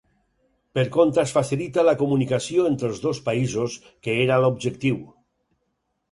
Per contra, es facilita la comunicació entre els dos països, que era l'objectiu.